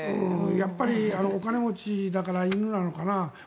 やっぱりお金持ちだから犬なのかな。